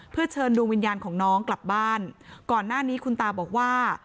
เพื่อเชิญดวงวิญญาณของน้องกลับบ้านก่อนหน้านี้คุณตาบอกว่า